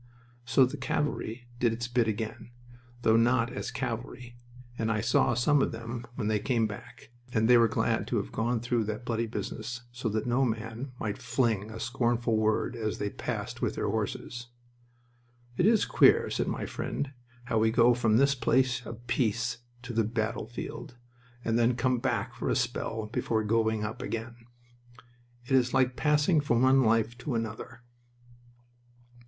So the cavalry did its "bit" again, though not as cavalry, and I saw some of them when they came back, and they were glad to have gone through that bloody business so that no man might fling a scornful word as they passed with their horses. "It is queer," said my friend, "how we go from this place of peace to the battlefield, and then come back for a spell before going up again. It is like passing from one life to another."